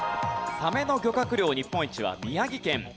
サメの漁獲量日本一は宮城県。